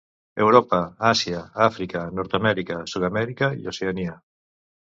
Europa, Àsia, Àfrica, Nord-amèrica, Sud-amèrica i Oceania.